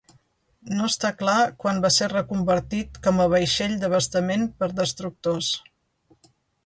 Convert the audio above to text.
No està clar quan va ser reconvertit com a vaixell d'abastament per destructors.